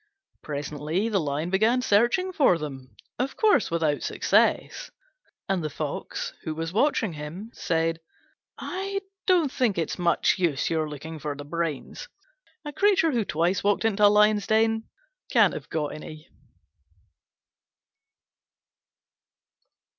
Presently the Lion began searching for them, of course without success: and the Fox, who was watching him, said, "I don't think it's much use your looking for the brains: a creature who twice walked into a Lion's den can't have got any."